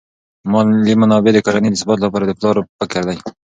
مالی منابع د کورنۍ د ثبات لپاره د پلار فکر دي.